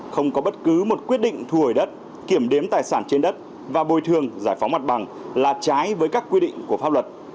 không có bất cứ một quyết định thu hồi đất kiểm đếm tài sản trên đất và bồi thường giải phóng mặt bằng là trái với các quy định của pháp luật